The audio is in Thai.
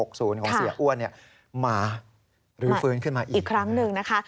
เสียอ้วนมารื้อฟื้นขึ้นมาอีกครั้งหนึ่งนะคะ